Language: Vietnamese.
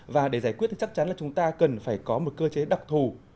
và để giải quyết thì chắc chắn là chúng ta cần phải có một cơ chế đặc thù